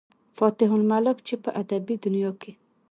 فاتح الملک، چې پۀ ادبي دنيا کښې